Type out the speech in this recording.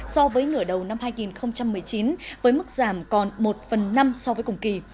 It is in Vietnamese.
so với nửa đầu năm hai nghìn một mươi chín với mức giảm còn một phần năm so với cùng kỳ